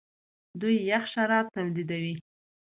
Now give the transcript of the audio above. دوی یخ شراب تولیدوي.